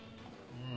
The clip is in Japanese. うん！